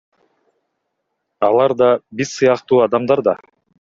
Алар да биз сыяктуу адамдар да.